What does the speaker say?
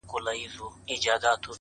ګواکي ټول دي د مرګي خولې ته سپارلي!!